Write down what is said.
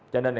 cho nên là